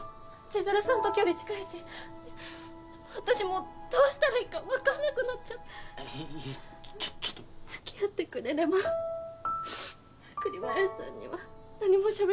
千鶴さんと距離近いし私もうどうしたらいいか分かんなくなっちゃっていいやちょっとちょっとつきあってくれれば栗林さんには何もしゃべりません